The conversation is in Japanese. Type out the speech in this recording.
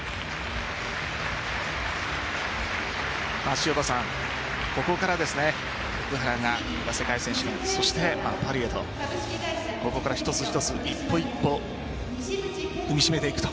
潮田さん、ここからですね奥原が世界選手権、パリへとここから一つ一つ、一歩一歩踏みしめていくと。